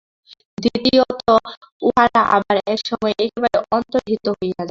দ্বিতীয়ত উহারা আবার একসময়ে একেবারে অন্তর্হিত হইয়া যায়।